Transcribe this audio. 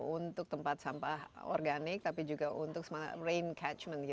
untuk tempat sampah organik tapi juga untuk rain catchment